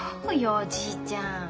おじいちゃん。